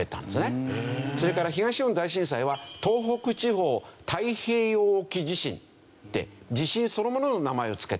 それから東日本大震災は東北地方太平洋沖地震って地震そのものの名前を付けた。